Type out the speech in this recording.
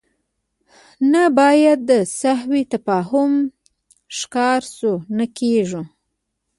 نه باید د سوء تفاهم ښکار شو، نه کېږو.